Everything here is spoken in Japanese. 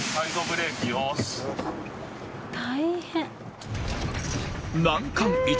大変。